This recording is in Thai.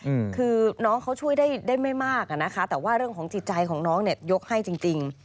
อืมคือน้องเขาช่วยได้ได้ไม่มากอ่ะนะคะแต่ว่าเรื่องของจิตใจของน้องเนี้ยยกให้จริงจริง